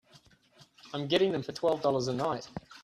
I'm getting them for twelve dollars a night.